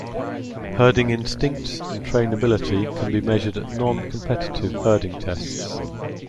Herding instincts and trainability can be measured at non-competitive herding tests.